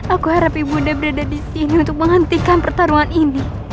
aku harap ibunda berada di sini untuk menghentikan pertarungan ini